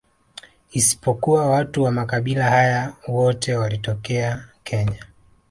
Isipokuwa watu wa makabila haya wote walitokea Kenya